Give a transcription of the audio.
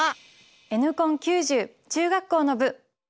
「Ｎコン９０」中学校の部。